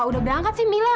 udah berangkat sih mila